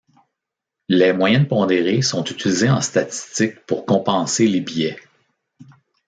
Les moyennes pondérées sont utilisées en statistique pour compenser les biais.